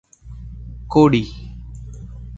Cody.